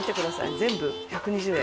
全部１２０円。